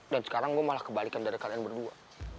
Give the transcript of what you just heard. sekarang gue malah kebalikan dari kalian berdua